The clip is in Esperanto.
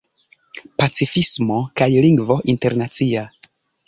Pacifismo kaj Lingvo Internacia.